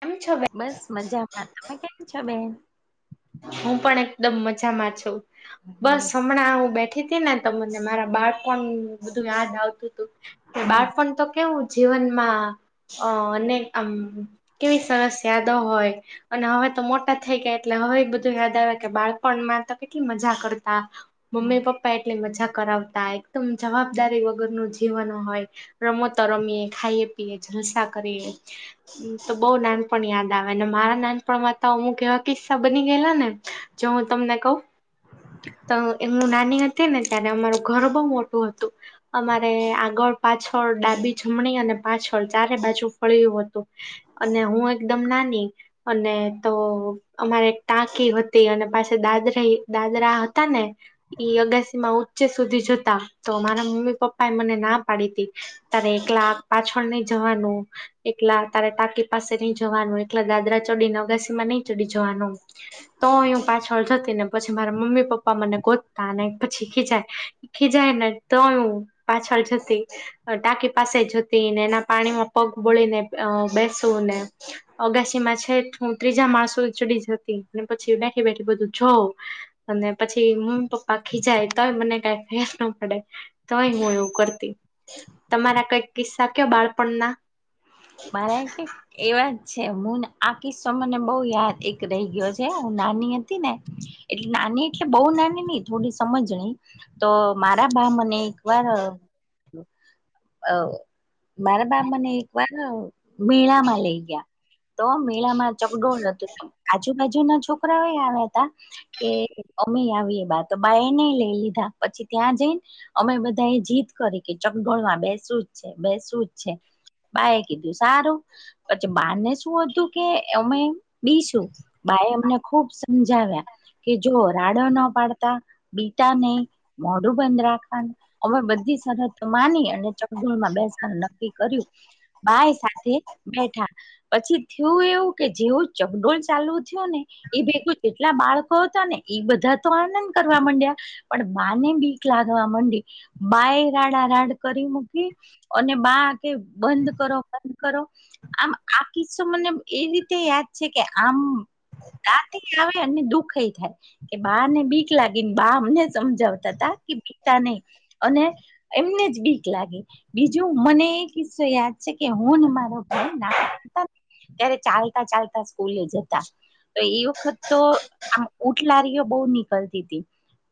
કેમ છો બે બસ મજામાં. તમે કેમ છો બેન? હું પણ એકદમ મજામાં છું. બસ હમણાં હું બે થી તી ને ત મન મારા બાળપણ બધું યાદ આવતું તું, કે હા બાળપણ તો કેવું. જીવનમાં અ અને આમ કેવી સરસ યાદ દો હોય અને હવે તો મોટા થઈ ગયા એટલે હવે. બધું યાદ આવે કે બાળપણમાં તો કેટલી મજા કરતા. મમ્મી પપ્પા એટલી મજા કરાવતા એકદમ જવાબદારી વગરનું જીવન હોય. રમતો રમીએ ખાઈએ પીએ જલસા કરીએ. હમ તો બઉુ નાનપણ યાદ આવે ને મારા નાનપણ માં તો હું કેવા કિસ્સા. બની ગયેલા ને જો હું તમને કહું. તો એ હું નાની હતી ને ત્યારે અમારું ઘર બહ મોટું હતું. અમારે આગળ પાછળ ડાબી જમણી અને પાછળ ચારે બાજુ ફળિયું હતું. અને હું એકદમ નાની અને તો અમારે. ટાંકી હતી અને પાછા દાદરી દાદરા હતા ને. ઈ અગાસી માં ઉચ્ચે સુધી જતા તો મારા મમ્મી પપ્પા એ મને ના પાડી તી. તારે એકલા પાછળ નહીં જવાનું. એકલા તારે ટાકી પાસે નહી જવાનું એકલા દાદરા ચડીને અગાસી માં નહી ચડી જવાનું. તોઇ હું પાછળ જતી ને પછી મારા મમ્મી પપ્પા મને ગોતતા અને પછી ખીજાય. ખીજાય ને તોયું પાછળ જતી. ટાંકી પાસે જતી ને એના પાણીમાં પગ બોળીને બેસું ને. અગાછી માં છેક હું ત્રીજા માળસો ચડી જતી અને પછી બેઠી બેઠી બધું જઉં. અને પછી મમ્મી પપ્પા ખીજાય તોય મને કંઈ ફેર ના પડે. તોય હું એવું કરતી તમારા કઈક કિસ્સા કયો બાળપણ ના. મારા કે એવા જ છે. હું આ કિસ્સો મને બહુ યાદ. રહી ગયો છે હું નાની હતી ને એટલે નાની એટલે બહુ નાની નહ થોડી સમજણી. તો મારા બા મને એક વાર. અ મારા બા મને એક વાર. મેળામાં લઈ ગયા તો મેળામાં ચકડોળ હતી. આજુબાજુ ના છોકરાઓ આવ્યા હતા- કે અમે આવીએ બા તો બાાયને લઈ લીધા પછી ત્યાં જઈને- અમે બધા એ જીત કરી કે ચકડોળવા બેસું જ છે બેસું જ છે. બા એ કીધું સારું પછી બા ને શું હતું કે અમે બીસું બાય અમને ખુબ સમજાવ્યા કે જો રાડો ના પાડતા બીટાને મોઢું બંધ રાખવાનું હવે બધી સરત માની અને ચગગળમાં બેસવા નક્કી કર્યું. બાય સાથે બેઠા- પછી થયું એવું કે જેવું ચકડોલ ચાલુ થયું ને- એ ભેટું જેટલા બાળકો હતા ને એ બધા તો આનંદ કરવા માંડ્યા- પણ બાને બીક લાગવા માંડી બા એ રાડા રાડ કરી મૂકી- અને બા કે બંધ કરો બંધ કરો આમ- કિસ્સો મને એ રીતે યાદ છે. કે આમ રાતે આવે અને દુઃખ એ થાય કે બા ને બીક લાગીને બા અમને સમજાવતા તા કે બીકતા નહી. અને એમને જ બીક લાગી બીજું મને- કિસ્સો યાદ છે. કે હું ને મારો ભાઈ નામ- ત્યારે ચાલતા ચાલતા સ્કૂલે જતા- તો એ વખત તો આમ ઉટલારીઓ બહુ નીકળતી હતી.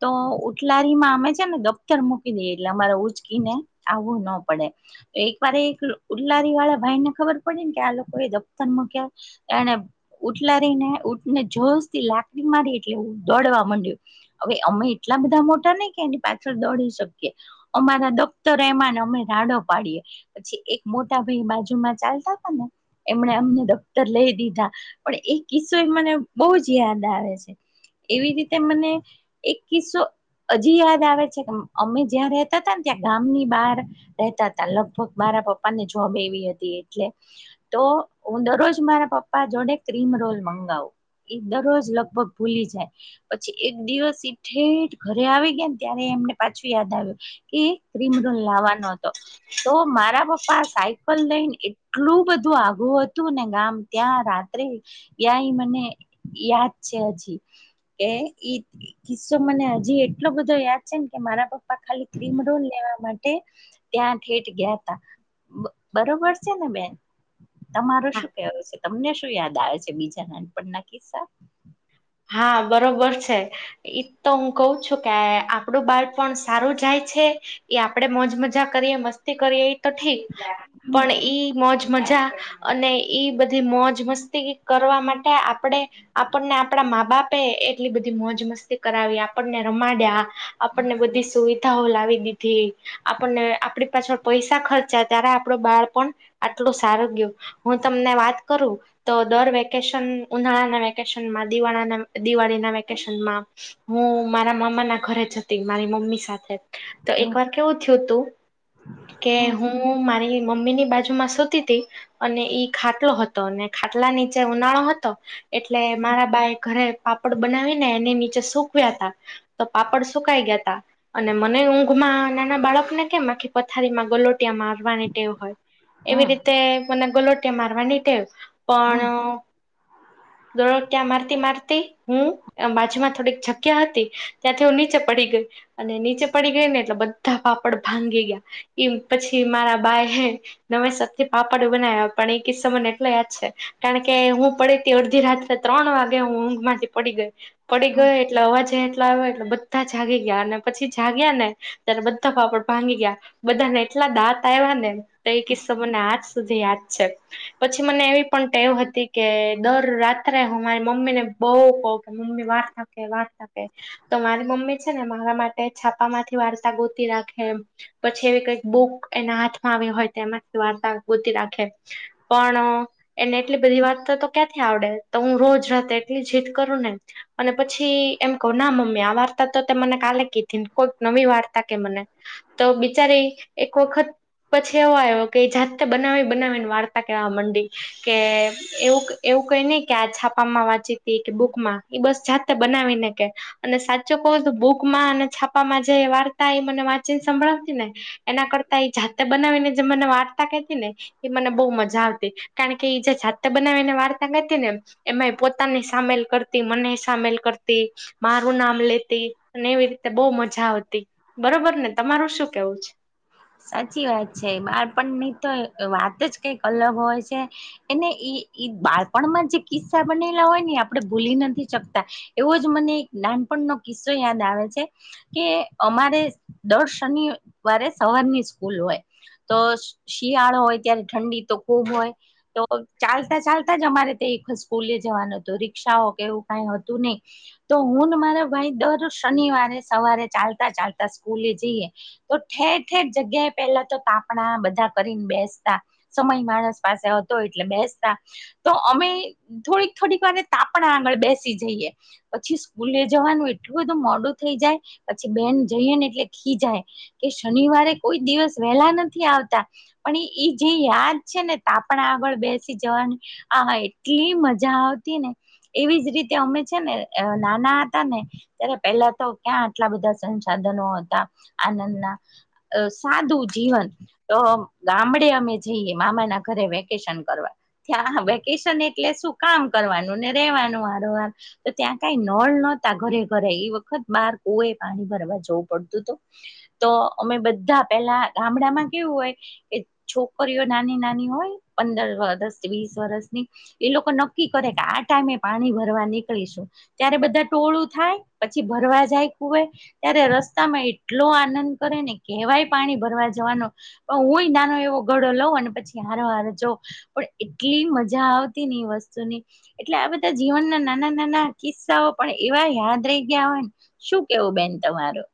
તો ઉટલારીમાં અમે છે. ને દફ્તર મૂકી દઈએ એટલે અમારે ઉચકીને આવવું ન પડે- એક વાર એક ઉલ્લારી વાળા ભાઈને ખબર પડી ને કે આ લોકો એ દફતર મુક્યા- એને ઉટલા રહીનેને જોશ થી લાકડી મારી એટલે દોડવા માંડ્યું- હવે અમે એટલા બધા મોટા ને કે એની પાછળ દોડી શકીએ- અમારા દફત એમાન અમે રાડો પાડીએ- પછી એક મોટા ભાઈ બાજુમાં ચાલતા હતા ને એમને અમને- લઈ દીધા પણ એ કિસ્સો એ મને બહુ જ યાદ આવે છે. એવી રીતે મને એક કિસ્સો હજી યાદ આવે છે કે અમે જ્યાં રતા હતા ને ત્યાં ગામની બહાર રતા હતા લગભગ મારા પપ્પા ને જોબ એવી હતી એટલે તો હું દરરોજ મારા પપ્પા જોડે ક્રીમ રોલ મંગાવું એ દરરોજ લગભગ ભૂલી જાય પછી એક દિવસ ઈઠેઠ ઘરે આવી ગયા ને ત્યારે એમને પાછું યાદ આવ્યું એ કિમ રૂલ લાવવાનો હતો તો મારા પપ્પા સા પણ લઈને એટલું બધું આઘું હતું ને ગામ ત્યાં રાત્રે યાય મને યાદ છે હજી કે ઈ કિસ્સો મને હજી એટલો બધો યાદ છે ને કે મારા પપ્પા ખાલી ક્રીમ રોલ લેવા માટે ત્યાં ે ગે બરોબર છે ને બેન તમારો શું કેવ છે તમને શું યાદ આવે છે બીજા નાનપણના કિસ્સા હા બરોબર છે એ તો હું કઉ છું કે આપડું બાળ પણ સારું જાય છે એ આપડે મોજ મજા કરીએ મસ્તી કરીએ તો ઠીક હમ પણ ઈ મોજ મજા અને ઈ બધી મોજ મસ્તી કરવા માટે આપણેે આપણને આપણા મા બાપે એટલી બધી મોજ મસ્તી કરાવી આપણને રમાડ્યા આપણને બધી સુવિધાઓ લાવી દીધી આપણને આપડી પાછળ પૈસા ખર્ચા ત્યારે આપડો બાળપ આટલો સારો ગયો હું તમને વાત કરું તો દર વેકેશન ઉનાળાના વેકેશન દિવા દિવાળી ના વેકેશનમાં હું મારા મામા ના ઘરે જ હતી મારી મમ્મી સાથે તો એક હમ વાર કેવું થયું તું કે હમ હું હું મારી મમ્મી ની બાજુ માં સુતી હતી અને ઈ ખાટલો હતો ખાટલા નીચે ઉનાળો હતો એટલે મારા ્પા એ ઘરે પાપડ બનાવીને એને નીચે સુક્યા તા તો પાપડ સુકાઈ ગયા તા અને મને ઊંઘમાં નાના બાળકને કેમ આખી પથારીમાં ગલોટિયા મારવાની ટેવ હોય એવી હમ રીતે મને ગોલોટીિયા મારવાની ટેવ હમ પણલો ત્યાં મારતી મારતી હું બાજુમાં થોડીક જગ્યા હતી ત્યાંથી હું નીચે પડી ગય અને નીચે પડી ગઈ ને એટલે બધા પાપડ ભાંગી ગયા એમ પછી મારા બાાય નમે સતથી પાપડું બનાવ્યા પણ એ કિસ્સા મને એટલો યાદ છે કારણ કે હું પડીે ત અડધી રાત્ર ત્રણ વાગે હું ઊંઘ માંથી પડી ગઈ પડી ગયોટ એટલે અવાજ એટલા આવ એટલે બધા જાગી ગયા અને પછી જાગ્યા ને ત્યારે બધા પાપડ ભાંગી ગયા બધાને એટલા દાંત આવ્યા ને તો એ કિસ્સા મને આજ સુધી યાદ છે પછી મને એવી પણ ટેવ હતી કે દર રાત અ હું મારી મમ્મી ને બહુ કવ કે મમ્મી વાર થકે વાત થકે તો મારી મમ્મી છે ને મારા માટે છાપામાંથી વાર્તા ગોતી રાખે એ પછી એવી કઈક બુક એના હાથમાં આવી હોય તો એમાંથી વાર્તા ગોતી રાખે પણ એને એટલી બધી વાત તો ક્યાંથી આવડે તો હું રોજ રાતે એટલી જીદ કરું ને અને પછી એમ કહ ના મમ્મી આ વાર્તા તો મને કાલે કીધી ને કોઈક નવી વાર્તા કે મને તો બિચારી એક વખત પછી એવો આવ્યો કે જાતે બનાવી બનાવીને વાર્તા કેવા આ મંડી કે એવું એવું કઈ નહ કે આ છાપામાં વાંચીતી કે બુકમાં એ બસ જાતે બનાવીને કે અને સાચો કવો તો ભૂકમાં અને છાપામાં જે વાર્તા એ મને વાંચીન સંભળાવતી ને એના કરતા એ જાતે બનાવીને જે મને વાર્ તીને એ મને બહુ મજા આવતી કારણ કે જે છત બનાવીને વાર્તા કરતી નેમ એમાં પોતાની સામેલ કરતી મને સામેલ કરતી મારું નામ લેતી અને એવી રીતે બહ મજા આવતી બરોબર ને તમારું શું કેવું છે સાચી વાત છે બાળપણની તો વાત જ કઈક અલગ હોય છે એને એ બાળપણમાં જે કિસ્સા બનેલા હોય ને આપણે ભૂલી નથી શકતા એવો જ મને એક નાનપણનો કિસ્સો યાદ આવે છે કે અમારે દસ શનિવારે સવારની સ્કૂલ હોય તો શિયાળો હોય ત્યારે ઠંડી તો ખૂબ હોય તો ચાલતા ચાલતા જ અમારે તે સ્કૂલે જવાનું હતું રિકષાઓ કે એવું કઈ હતું નહ તો હું ને મારા ભાઈ દર શનિવારે સવારે ચાલતા ચાલતા સ્કૂલે જઈએ તો ઠેર ઠેર જગ્યાએ પેલા તો કાપણા બધા કરીને બેસતા સમય માણસ પાસે હતો એટલે બેસતા તો અમે થોડીક થોડીક વાર તાપણા આંગળ બેસી જઈએ પછી સ્કૂલ લઈ જવાનું એટલું બધું મોડું થઇ જાય પછી બેન જઈએ ને એટલે ખી જાય કે શનિવારે કોઈ દિવસ વહેલા નથી આવતા પણ એ એ જે યાદ છે ને તપણે આગળ બેસી જવાની હા એટલી મજા આવતી ને એવી જ રીતે અમે છે ને નાના હતા ને ત્યારે પેલા તો ક્યાં આટલા બધા સંસાધનો હતા આનંદના અ સાદું જીવન તો ગામડે અમે જઈએ મામા ના ઘરે વેકેશન કરવા થ્યાા વેકેશન એટલે શું કામ કરવાનું ને રેવાનું વારંવાર તો ત્યાં કઈ નળ નતા ઘરે ઘરે એ વખત બાર કોએ પાણી ભરવા જવું પડતું હતું તો અમે બધા પેલા ગામડામાં કેવું હોય કે છોકરીઓ નાની નાની હોય પંદર વરસ વીસ વરષની એ લોકો નક્કી કરે કે આ ટાઈમે પાણી ભરવા નીકળીશું ત્યારે બધા ટોળું થાય પછી ભરવા જાય ખુવેય ત્યારે રસ્તામાં એટલો આનંદ કરે ને કહેવાય પાણી ભરવા જવાનું પણ હુંય નાનો એવો ગળો લઉં અને પછી હરો હર જો પણ એટલી મજા આવતી ને એ વસ્તુની એટલે આ બધા જીવનના નાના નાના કિસ્સાઓ પણ એવા યાદ રહી ગયા હોય શું કેવું બેન તમારોું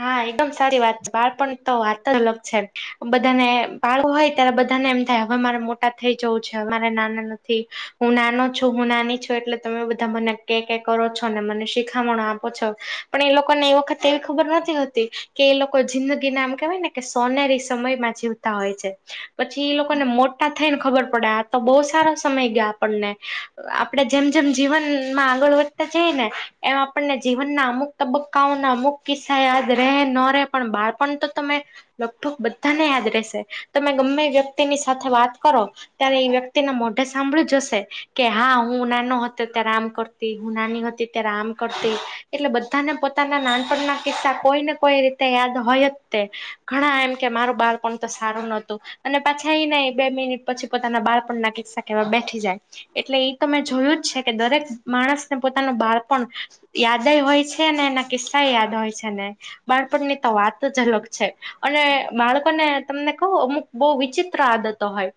હા એકદમ સારી વાત છે બાળપણ તો વાત જ અલગ છે બધાને બાળકો હોય ત્યારે બધાને એમ થાય હવે મારે મોટા થઈ જવું છે અમારે નાના નથી હું નાનો છું હું નાની છું એટલે તમે બધા મને કે ક કરો છો અને મને શીખામણો આપો છો પણ એ લોકોને એ વખત એવી ખબર નથી કે એ લોકો જિંદગી ના આમ કેવાય ને કે સોનેરી સમયમાં જીવતા હોય છે પછી એ લોકોને મોટા થઈ ને ખબર પડે તો બહુ સારા સમય ગયા આપણને આપડણે જેમ જેમ જીવનમાં આગળ વધતા જઈ ને એમ આપણને જીવનના અમુક તબક્કાઓના અમુક કિસ્સા યાજ ર ન રહે પણ બાળપણ તો તમે લગભગ બધાને યાદ રહેશે તમે ગમે વ્યક્તિની સાથે વાત કરો ત્યારે એ વ્યક્તિને મોઢે સાંભળી જ હશે કે હા હું નાનો હતો ત્યારે આમ કર હું નાની હતી ત્યારે આમ કરતી એટલે બધાને પોતાના નાનપણના કિસ્તા કોઈ ને કોઈ રીતે યાદ હોય જ તે ઘણા એમ કે મારું બાળપણ તો સારું નહતું અને પાછી આવી ના બે મિનિટ પછી પોતાના બાળ પણ નાખ કેવા બેઠી જાય એટલે એ તો મેં જોયું જ છે કે દરેક માણસને પોતાનું બાળપણ યાદય હોય છે ને એના કિસ્સા યાદ હોય છે ને બાળપણની તો વાત જ અલગ છે અને બાળકોને તમને કહું અમુક બહુ વિચિત્ર આદતો હોય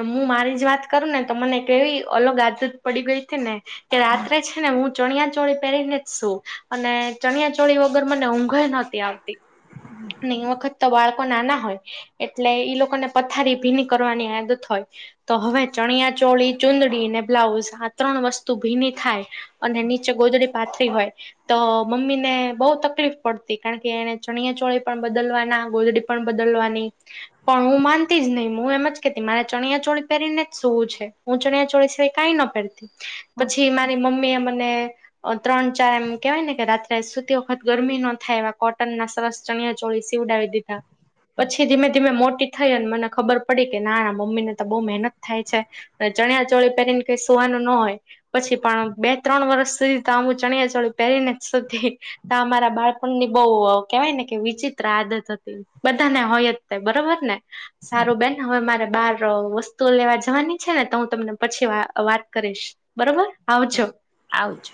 હું મારી જ વાત કરું ને તો મને કેવી અલગ આદત પડી ગઈ હતી ને કે રાત્રે છે ને હું ચણિયા ચોળી પહેરીને જ છું અને ચણિયા ચોળી વર વગર મને ઊંઘ નતી આવતી એ વખત તો બાળકો નાના હોય એટલે ઈ લોકોને પથારી ભીની કરવાની આદત હોય તો હવે ચણિયા ચોળી ચુંદડી ને બ્લાઉઝ આ ત્રણ વસ્તુ ભીની થાય. અને નીચે ગોદડી પાથરી હોય તો મમ્મીને બહુ તકલીફ પડતી કારણ કે એને ચણિયા ચોળી પણ બદલવાના ગોદડી પણ બદલવાની. પણ હું માનતી જ નહી હું એમ જ કેતી મારે ચણિયા ચોળી પહેરીને જ શું છે. હું ચણીયા ચોળી શિવાય કાય ના પેરતી. પછી મારી મમ્મી એ મને અ ત્રણ ચાર એમ કેહેવાય ને કે રાત્રે સુ. તી વખત ગરમી ન થાય એવા કોટન ના સરસ ચણિયા ચોળી સીવડાવી દીધા. પછી ધીમે ધીમે મોટી થઈ અને મને ખબર પડી કે નાના મમ્મી ને તો બહુ મહેનત થાય છે. ચણીયા ચોળી પહેરીને કઈ સુવાનું ના હોય. પછી પણ બે ત્રણ વર્ષ સુધી તો આમુ ચણીયા ચોળી પહેરીને જ સુતી. તા મારા બાળપણ ની બહુ કેવાય ને કે વિચિત્ર આદત હતી. બધાને હોય જ બરોબર ને સારું બેન. હવે મારે બારઅ વસ્તુઓ લેવા જવાની છે ને તો હું તમને પછી વા વાત કરીશ. બરોબર આવજો. આવજો.